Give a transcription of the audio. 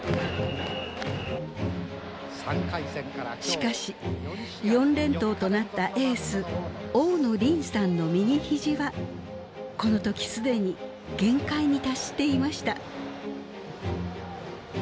しかし４連投となったエース大野倫さんの右肘はこの時既に限界に達していました。